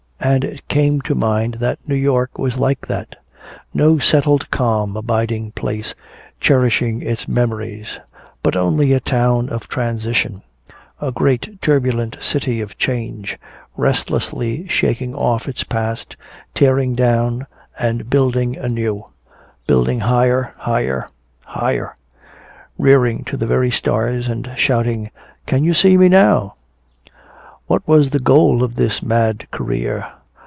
And it came to his mind that New York was like that no settled calm abiding place cherishing its memories, but only a town of transition, a great turbulent city of change, restlessly shaking off its past, tearing down and building anew, building higher, higher, higher, rearing to the very stars, and shouting, "Can you see me now?" What was the goal of this mad career?